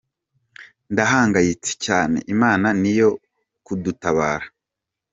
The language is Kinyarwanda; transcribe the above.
Ndahangayitse cyane Imana ni yo yo kudutabara.